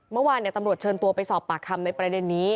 เมื่อวานตำรวจเชิญตัวไปสอบปากคำในประเด็นนี้